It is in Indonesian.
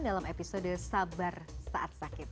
dalam episode sabar saat sakit